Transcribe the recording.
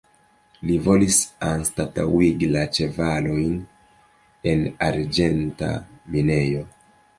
Li volis anstataŭigi la ĉevalojn en arĝenta minejo.